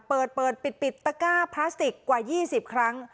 เปิดเปิดปิดตะก้าพลาสติกกว่า๒๐ครั้ง